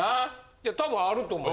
いや多分あると思う。